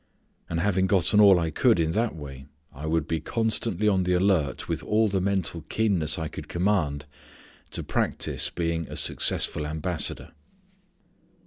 And having gotten all I could in that way I would be constantly on the alert with all the mental keenness I could command to practice being a successful ambassador.